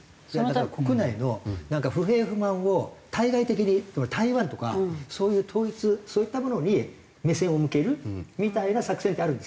国内の不平不満を対外的に台湾とかそういう統一そういったものに目線を向けるみたいな作戦ってあるんですか？